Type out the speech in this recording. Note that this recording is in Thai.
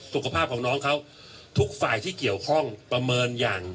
สุขภาพของน้องเขาทุกฝ่ายที่เกี่ยวข้องประเมินอย่าง